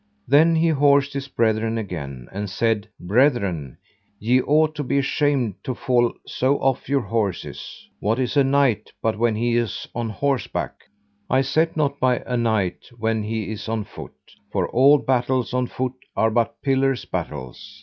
Then he horsed his brethren again, and said: Brethren, ye ought to be ashamed to fall so off your horses! what is a knight but when he is on horseback? I set not by a knight when he is on foot, for all battles on foot are but pillers' battles.